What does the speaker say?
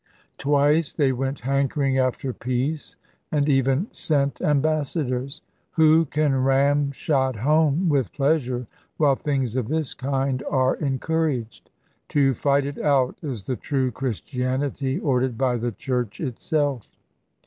Twice they went hankering after peace, and even sent ambassadors! Who can ram shot home with pleasure while things of this kind are encouraged? To fight it out is the true Christianity, ordered by the Church itself.